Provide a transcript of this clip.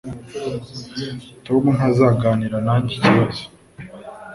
Tom ntazaganira nanjye ikibazo